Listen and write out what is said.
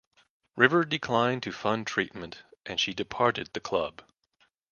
River declined to fund treatment and she departed the club.